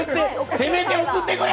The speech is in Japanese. せめて送ってくれ！